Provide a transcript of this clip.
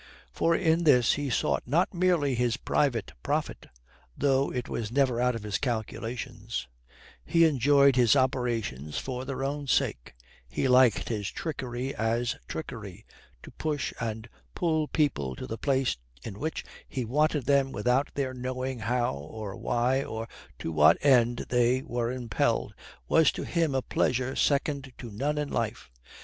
For in this he sought not merely his private profit (though it was never out of his calculations); he enjoyed his operations for their own sake; he liked his trickery as trickery; to push and pull people to the place in which he wanted them without their knowing how or why or to what end they were impelled was to him a pleasure second to none in life.